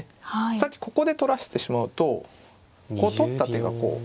さっきここで取らしてしまうと取った手がこう。